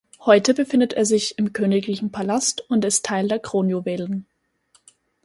Heute befindet er sich im Königlichen Palast und ist Teil der Kronjuwelen.